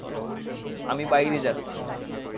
আমি বাইরে যাচ্ছি।